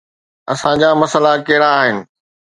اسان جا مسئلا ڪهڙا آهن؟